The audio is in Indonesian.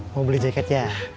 mau beli jaket ya